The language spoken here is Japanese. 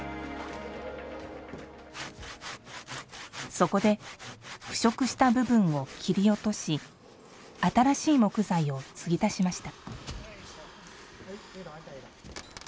そこで腐食した部分を切り落とし新しい木材を継ぎ足しました。